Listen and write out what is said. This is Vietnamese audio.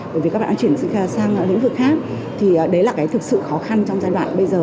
bởi vì các bạn đã chuyển khai sang lĩnh vực khác thì đấy là cái thực sự khó khăn trong giai đoạn bây giờ